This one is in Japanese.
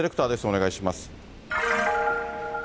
お願いします。